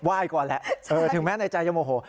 ก่อนแหละถึงแม้ในใจจะโมโห